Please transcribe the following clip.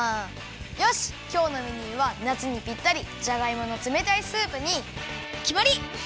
よしきょうのメニューはなつにぴったりじゃがいものつめたいスープにきまり！